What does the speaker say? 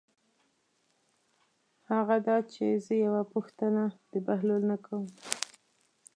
هغه دا چې زه یوه پوښتنه د بهلول نه کوم.